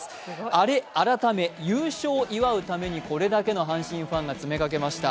アレ、改め優勝を祝うためにこれだけの阪神ファンが集いました。